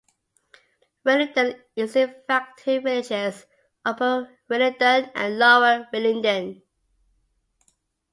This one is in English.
Willingdon is in fact two villages Upper Willingdon and Lower Willingdon.